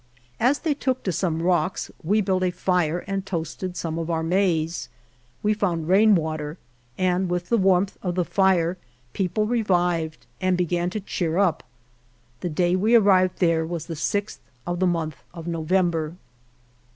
As they took to some rocks, we built a fire and toasted some of our maize. We found rain water, and with the warmth of the fire people revived and began to cheer up. The day we arrived there was the sixth of the month of November.